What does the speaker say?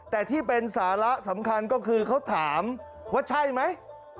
แต่ที่เป็นสาระสำคัญก็คือเขาถามว่าใช่ไหม